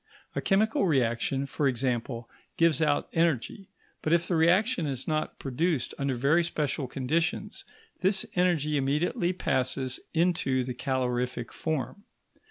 A chemical reaction, for example, gives out energy; but if the reaction is not produced under very special conditions, this energy immediately passes into the calorific form.